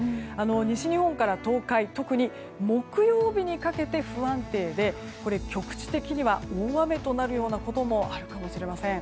西日本から東海特に木曜日にかけて不安定で、局地的には大雨となるようなこともあるかもしれません。